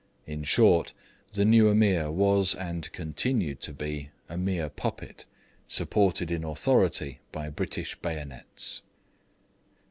In short, the new Ameer was, and continued to be, a mere puppet, supported in authority by British bayonets.